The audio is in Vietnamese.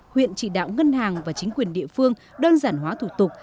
huyện chỉ đạo ngân hàng và chính quyền địa phương đơn giản hóa thủ tục